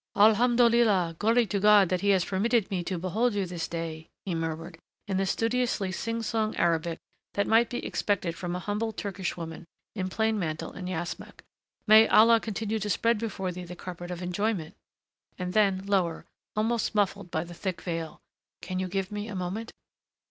"Alhamdolillah Glory to God that he has permitted me to behold you this day," he murmured, in the studiously sing song Arabic that might be expected from a humble Turkish woman in plain mantle and yashmak. "May Allah continue to spread before thee the carpet of enjoyment " and then lower, almost muffled by the thick veil, "Can you give me a moment